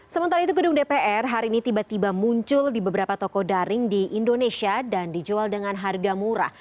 sementara itu gedung dpr hari ini tiba tiba muncul di beberapa toko daring di indonesia dan dijual dengan harga murah